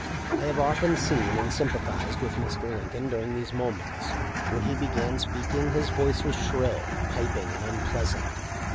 I have often seen and sympathized with Air. Lincoln during these moments. When he began speaking, his voice was shrill, piping, and unpleasant.